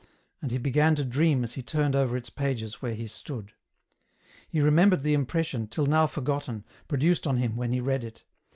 And he began to dream as he turned over its pages where he stood. He remembered the impression, till now forgotten, produced on him when he read it.